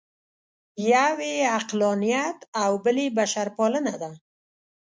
یو یې عقلانیت او بل یې بشرپالنه ده.